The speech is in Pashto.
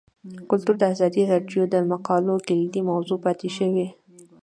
کلتور د ازادي راډیو د مقالو کلیدي موضوع پاتې شوی.